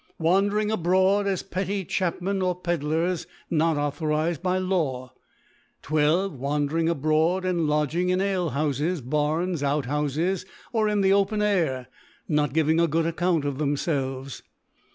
Wandering abroad as pctry Chapmen or Pedlars, not authorized by Law. 1 2. Wandering abroad and lodging in AJehoufes, Barns, Outhoufes, or in the open Air, not giving a good Ac count of thcmfelves.